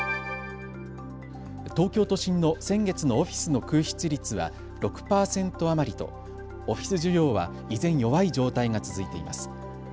東京都心の先月のオフィスの空室率は６％余りとオフィス需要は依然、弱い状態が続いています。